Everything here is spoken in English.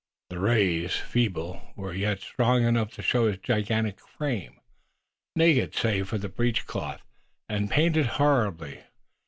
The rays, feeble, were yet strong enough to show his gigantic figure, naked save for the breech cloth, and painted horribly.